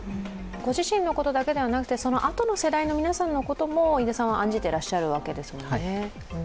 ご自身のことだけではなく、そのあとの世代の皆さんのことも飯田さんは案じてらっしゃるわけですもんね。